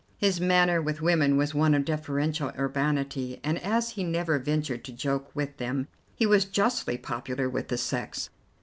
His manner with women was one of deferential urbanity, and, as he never ventured to joke with them, he was justly popular with the sex.